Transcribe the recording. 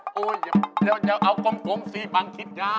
โถยเดี๋ยวเอากลม๔บางที่สิ้นหน้า